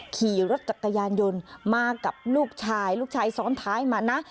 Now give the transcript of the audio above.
ขี่รถจักรยานยนต์มากับลูกชายลูกชายซ้อนท้ายมานะ